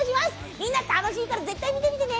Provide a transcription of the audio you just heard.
みんな楽しいから絶対見てね。